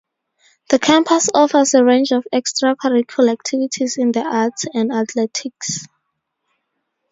The campus offers a range of extra-curricular activities in the arts and athletics.